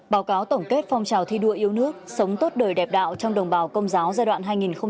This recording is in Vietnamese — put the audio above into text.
báo cáo tổng kết phong trào thi đua yêu nước sống tốt đời đẹp đạo trong đồng bào công giáo giai đoạn